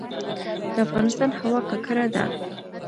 د افغانستان هوا ککړه ده